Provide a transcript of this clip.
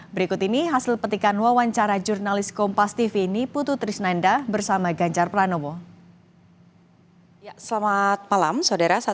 berikut ini hasil petikan wawancara jurnalis kompas tv ini putu trisnanda bersama ganjar pranowo